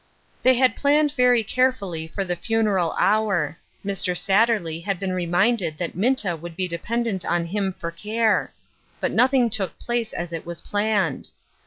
They had planned very carefully for the funeral hour. Mr. Satterley had been reminded that Minta would be dependent on him for care ; but nothing " NEXT MOST." 289 took place as it was planned.